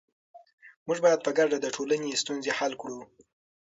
موږ باید په ګډه د ټولنې ستونزې حل کړو.